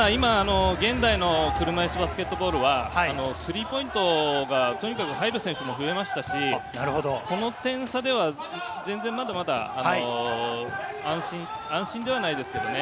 現代の車いすバスケットボールはスリーポイントがとにかく入る選手が増えましたし、この点差ではまだまだ安心ではないですけどね。